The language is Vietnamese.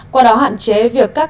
qua đó hạn chế việc các